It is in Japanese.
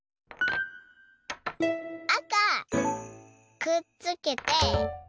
あかくっつけて。